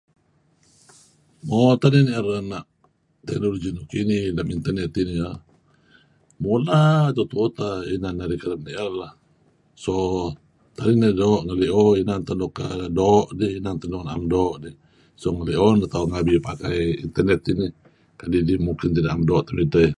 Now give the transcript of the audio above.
mo utak narih [unintelligible] anah technologi kini lam internet um mula tuuh tuuh tah nuk tuan narih kareb niar um so.. kadih narih ngalio um inan tah nuk do, inan tah nuk naam do[um] so.. kadih ngalio nah tauh ngabi pakai internet sini..